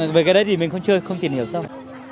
à dạ bởi cái đấy thì mình không chơi không tìm hiểu sao